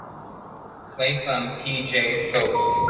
Play some P. J. Proby